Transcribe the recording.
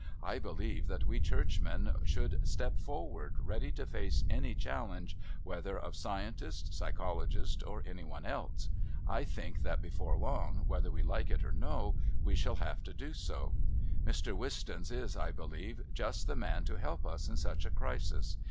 I believe that we Churchmen should step forward ready to face any challenge, whether of scientists, psychologists or any one else I think that before long, whether we like it or no, we shall have to do so. Mr. Wistons is, I believe, just the man to help us in such a crisis.